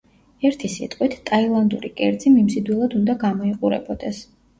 ერთი სიტყვით, ტაილანდური კერძი მიმზიდველად უნდა გამოიყურებოდეს.